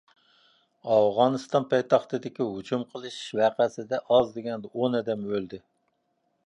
ئافغانىستان پايتەختىدىكى ھۇجۇم قىلىش ۋەقەسىدە ئاز دېگەندە ئون ئادەم ئۆلدى.